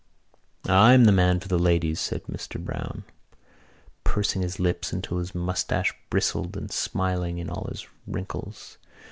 "I'm the man for the ladies," said Mr Browne, pursing his lips until his moustache bristled and smiling in all his wrinkles.